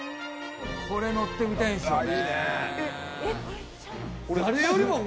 これ乗ってみたいんですよね。